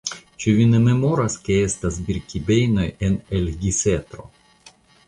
Ĉu vi ne memoras, ke estas Birkibejnoj en Elgisetro?